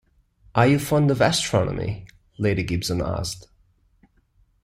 “Are you fond of astronomy?” Lady Gibson asked.